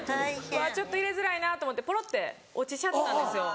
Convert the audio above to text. ちょっと入れづらいなと思ってポロって落ちちゃったんですよ。